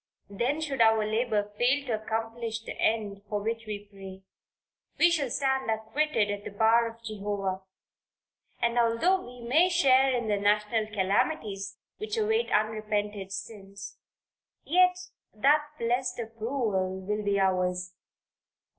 Then should our labor fail to accomplish the end for which we pray; we shall stand acquitted at the bar of Jehovah, and although we may share in the national calamities which await unrepented sins, yet that blessed approval will be ours.